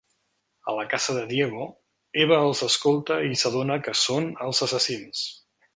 A la casa de Diego, Eva els escolta i s'adona que són els assassins.